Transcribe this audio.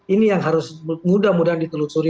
ini yang harus mudah mudahan ditelusuri